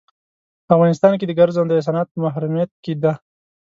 په افغانستان کې د ګرځندوی صنعت په محرومیت کې دی.